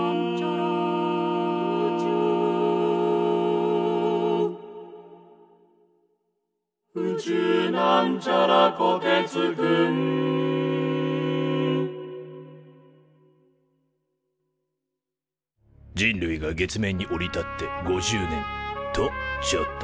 「宇宙」人類が月面に降り立って５０年！とちょっと。